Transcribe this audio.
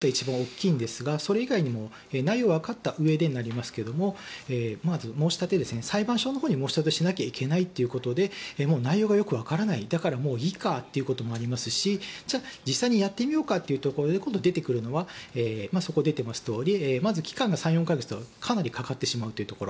その原因なんですが、まずは制度を知らないということが一番大きいんですがそれ以外にも内容がわかったうえでになりますがまず、申し立て裁判所のほうに申し立てをしないといけないということでもう内容がよくわからないだから、もういいかということもありますしじゃあ、実際にやってみようかというところで今度、出てくるのはそこに出ていますように期間が３４か月とかなりかかってしまうところ。